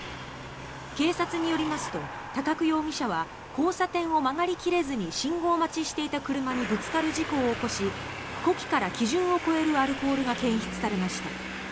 警察によりますと高久容疑者は交差点を曲がり切れずに信号待ちしていた車にぶつかる事故を起こし呼気から基準を超えるアルコールが検出されました。